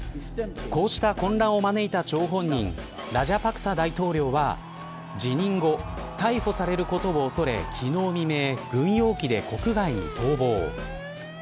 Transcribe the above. こうした混乱を招いた張本人ラジャパクサ大統領は辞任後、逮捕されることを恐れ昨日未明、軍用機で国外に逃亡。